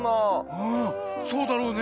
うんそうだろうね。